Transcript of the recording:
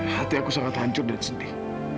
hati aku sangat hancur dan sedih